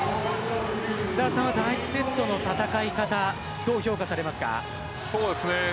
福澤さんは第２セットの戦い方どう評価しますか。